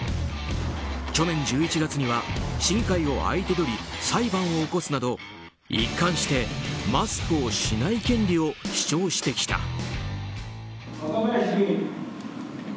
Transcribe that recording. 去年１１月には市議会を相手取り裁判を起こすなど、一貫してマスクをしない権利を主張してきた。